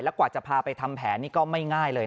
แล้วกว่าจะพาไปทำแผนนี้ก็ไม่ง่าย